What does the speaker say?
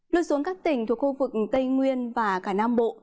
lưu xuống các tỉnh thuộc khu vực tây nguyên và cả nam bộ